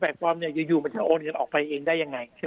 ฟอร์มเนี่ยอยู่มันจะโอนเงินออกไปเองได้ยังไง